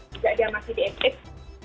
dan gak ada yang masih di ekspresi